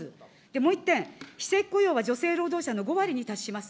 もう１点、非正規雇用は女性労働者の５割に達します。